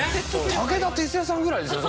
武田鉄矢さんぐらいですよね